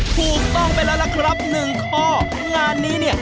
ถูกต้องไปแล้วล่ะครับหนึ่งข้องานนี้เนี่ย